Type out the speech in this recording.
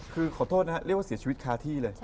คือขอโทษนะครับเรียกว่าเสียชีวิตคาที่เลย